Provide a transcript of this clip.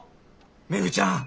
めぐちゃん